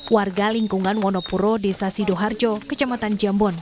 warga lingkungan wonopuro desa sidoharjo kecamatan jambon